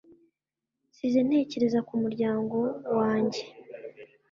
nsize ntekereza ku murya ngowa njye